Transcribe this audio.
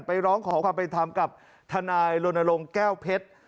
ร้องขอความเป็นธรรมกับทนายรณรงค์แก้วเพชร